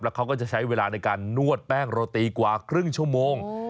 เขาก็จะใช้เวลาในการนวดแป้งโรตีกว่าครึ่งชั่วโมง